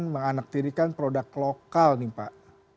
menganaktirikan produk lokal nih pak